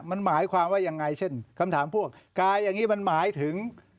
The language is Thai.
มันหมายความว่ายังไงเช่นคำถามพวกกายอย่างนี้มันหมายถึง